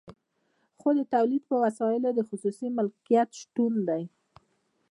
خو د تولید پر وسایلو د خصوصي مالکیت شتون دی